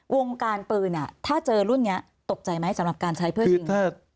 วงการปืนถ้าเจอรุ่นนี้ตกใจไหมสำหรับการใช้เพื่อยิง